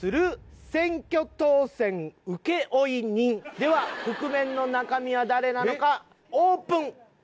では覆面の中身は誰なのかオープン。